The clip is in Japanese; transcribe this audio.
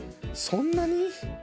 そんなに？